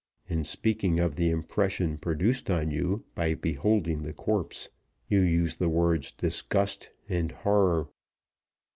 In speaking of the impression produced on you by beholding the corpse, you used the words 'disgust' and 'horror.